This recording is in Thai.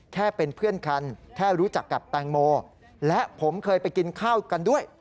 แค่เป็นเพื่อนกันแค่รู้จักกับแตงโมและผมเคยไปกินข้าวกันด้วย